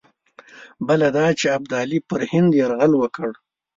بله دا چې ابدالي پر هند یرغل وکړي.